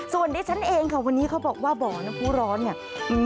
ส่วนดิฉันเองค่ะวันนี้เขาบอกว่าบ่อน้ำผู้ร้อนเนี่ย